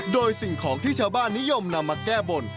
โดยสิ่งของที่ชาวบ้านนิยมนำมาแก้บน